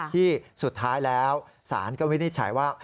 ที่สุดท้ายแล้วศาลก็วินิจฉัยว่า